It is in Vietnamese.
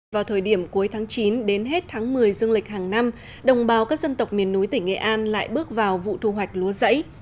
vào thời điểm cuối tháng chín đến hết tháng một mươi dương lịch hàng năm đồng bào các dân tộc miền núi tỉnh nghệ an lại bước vào vụ thu hoạch lúa rẫy